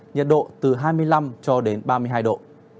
nhiệt độ từ hai mươi năm cho đến ba mươi hai độ